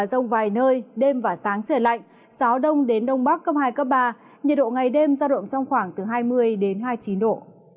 rông vài nơi đêm và sáng trời lạnh gió đông đến đông bắc cấp hai cấp ba nhiệt độ ngày đêm ra động trong khoảng hai mươi đến hai mươi chín độ